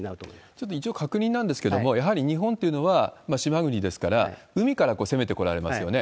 ちょっと一応確認なんですけれども、やはり日本っていうのは、島国ですから、海から攻めてこられますよね。